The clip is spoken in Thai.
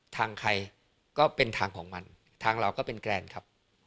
ทางใครก็เป็นทางของมันทางเราก็เป็นแกรนครับ